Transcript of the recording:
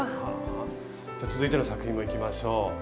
じゃあ続いての作品もいきましょう。